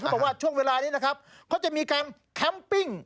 บอกว่าช่วงเวลานี้นะครับเขาจะมีการแคมปิ้ง